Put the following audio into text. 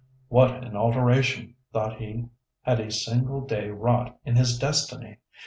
"What an alteration," thought he, "had a single day wrought in his destiny!